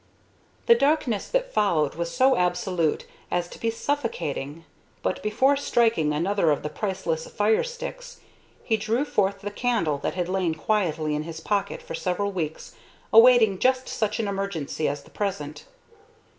The darkness that followed was so absolute as to be suffocating; but before striking another of the priceless "fire sticks" he drew forth the candle that had lain quietly in his pocket for several weeks awaiting just such an emergency as the present.